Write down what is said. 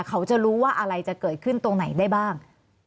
เขาจะรู้ว่าอะไรจะเกิดขึ้นตรงไหนได้บ้าง